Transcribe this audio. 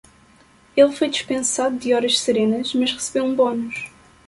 Ele foi dispensado de horas serenas, mas recebeu um bônus.